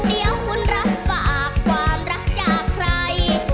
เดี๋ยวคุณรับฝากความรักจากใคร